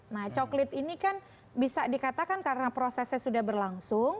nah coklit ini kan bisa dikatakan karena prosesnya sudah berlangsung